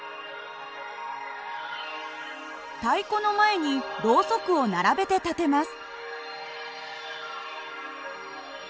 太鼓の前にろうそくを並べて立てます。